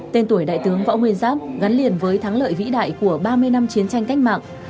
tên tuổi đại tướng võ nguyên giáp gắn liền với thắng lợi vĩ đại của ba mươi năm chiến tranh cách mạng